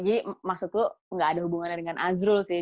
jadi maksud lo enggak ada hubungannya dengan azrul sih